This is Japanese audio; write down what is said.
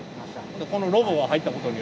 このロボが入ったことによって？